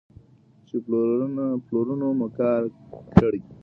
چې پلرونو مو کار کړی.